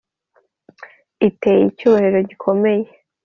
iteye icyuhagiro gikomeye